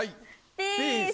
ピース。